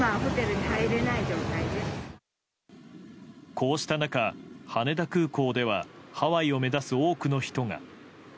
こうした中、羽田空港ではハワイを目指す多くの人が。